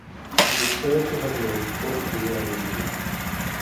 He is said to have known fourteen languages.